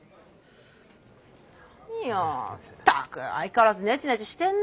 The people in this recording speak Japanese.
何よったく相変わらずネチネチしてんね。